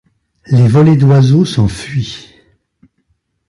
Les volées d’oiseaux s’enfuient.